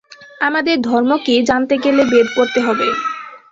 আমাদের ধর্ম কি, জানতে গেলে বেদ পড়তে হবে।